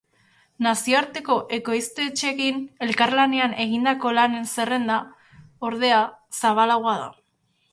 Nazioarteko ekoiztetxeekin elkarlanean egindako lanen zerrenda, ordea, zabalagoa da.